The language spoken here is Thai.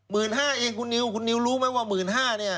๑๕๐๐๐บาทเองคุณนิวคุณนิวรู้ไหมว่า๑๕๐๐๐บาทเนี่ย